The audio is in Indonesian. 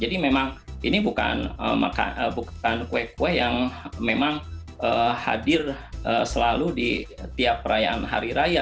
jadi memang ini bukan kue kue yang memang hadir selalu di tiap perayaan hari raya